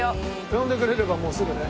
呼んでくれればもうすぐね。